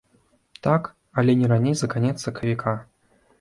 Так, але не раней за канец сакавіка.